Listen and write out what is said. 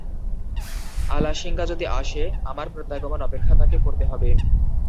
আলাসিঙ্গা যদি আসে, আমার প্রত্যাগমন-অপেক্ষা তাকে করতে হবে।